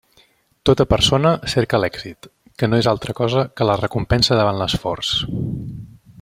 Tota persona cerca l'èxit, que no és altra cosa que la recompensa davant l'esforç.